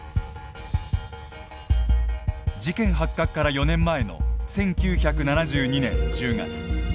事件発覚から４年前の１９７２年１０月。